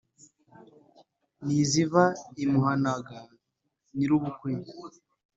n’iziva imuhanaga nyirubukwe